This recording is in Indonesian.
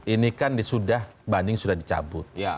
ini kan sudah banding sudah dicabut